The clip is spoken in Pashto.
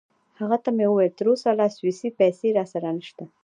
هغه ته مې وویل: تراوسه لا سویسی پیسې راسره نشته.